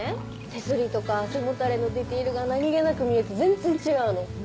手すりとか背もたれのディテールが何げなく見えて全然違うの。